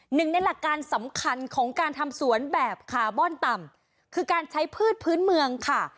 หนึ่งในหลักการสำคัญของการทำสวนแบบคาร์บอนต่ำคือการใช้พืชพื้นเมืองค่ะ